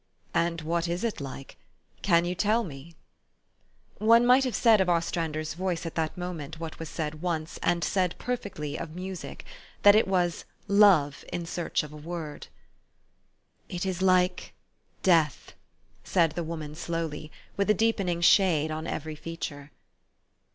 <' And what is it like ? Can you tell me ?'' One might have said of Ostrander's voice at that moment, what was said once, and said perfectly, of music, that it was " love in search of a word." 11 It is like death," said the woman slowly, with a deepening shade on every feature.